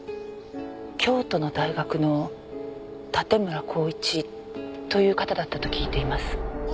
京都の大学の盾村孝一という方だったと聞いています。